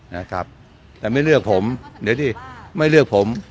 นะครับแต่ไม่เลือกผมเดี๋ยวดิไม่เลือกผม